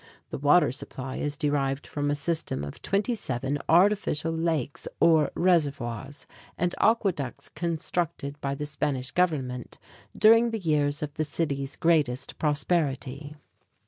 The water supply is derived from a system of twenty seven artificial lakes, or reservoirs, and aqueducts constructed by the Spanish government during the years of the city's greatest prosperity.